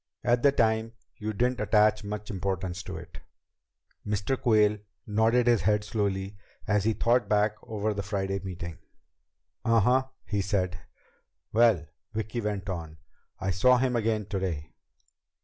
At the time you didn't attach much importance to it." Mr. Quayle nodded his head slowly as he thought back over the Friday meeting. "Uh huh," he said. "Well," Vicki went on, "I saw him again today."